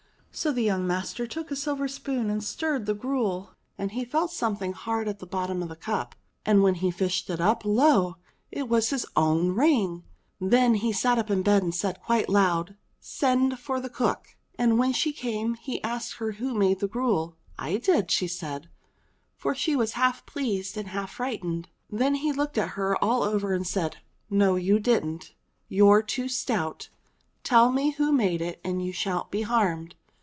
So the young master took a silver spoon and stirred the gruel ; and he felt something hard at the bottom of the cup. And when he fished it up, lo ! it was his own ring ! Then he sate up in bed and said quite loud, "Send for the cook !" And when she came he asked her who made the gruel. "I did," she said, for she was half pleased and half fright ened. Then he looked at her all over and said, "No, you didn't ! You're too stout ! Tell me who made it and you shan't be harmed